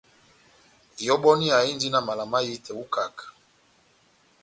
Ihɔbɔniya indi na mala mahitɛ ó ikaká.